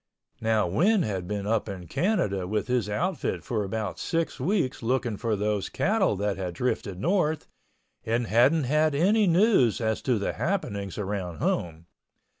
Now Win had been up in Canada with his outfit for about six weeks looking for those cattle that had drifted north and hadn't had any news as to the happenings around home.